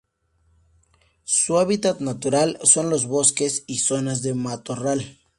Su hábitat natural son los bosques y zonas de matorral.